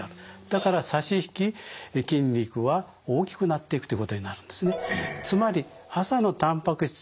だから差し引き筋肉は大きくなっていくということになるんですね。